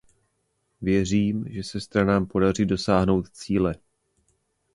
Věřím, že se stranám podaří dosáhnout cíle.